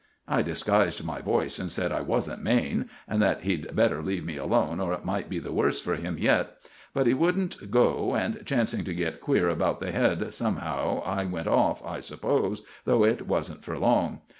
"I disguised my voice and said I wasn't Maine, and that he'd better leave me alone or it might be the worse for him yet. But he wouldn't go, and, chancing to get queer about the head somehow I went off, I suppose, though it wasn't for long.